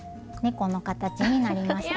この形になりました。